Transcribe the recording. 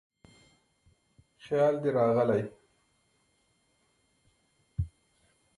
خیال دې راغلی